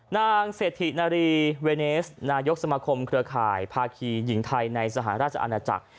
นางเศรษฐินารีเวเนสนายกสมาคมเครือข่ายภาคีหญิงไทยในสหราชอาณาจักร